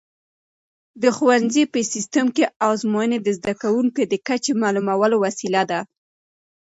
د ښوونځي په سیسټم کې ازموینې د زده کوونکو د کچې معلومولو وسیله ده.